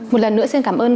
một lần nữa xin cảm ơn